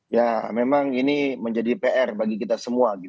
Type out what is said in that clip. ya memang ini menjadi pr bagi kita semua